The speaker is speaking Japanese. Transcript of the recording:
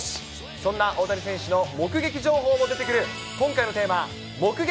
そんな大谷選手の目撃情報も出てくる、今回のテーマ、目撃！